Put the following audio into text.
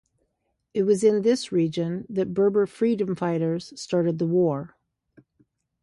It was in this region that Berber freedom fighters started the war.